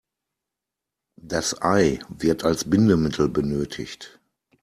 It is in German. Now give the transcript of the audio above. Das Ei wird als Bindemittel benötigt.